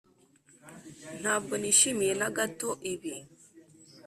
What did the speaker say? ntabwo nishimiye na gato ibi.